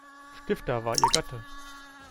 Stifter war ihr Gatte.